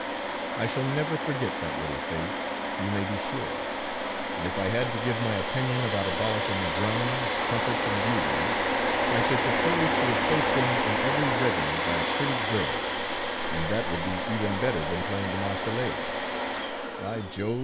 I shall never forget that little face, you may be sure, and if I had to give my opinion about abolishing drums, trumpets, and bugles, I should propose to replace them in every regiment by a pretty girl, and that would be even better than playing the Marseillaise. By Jove!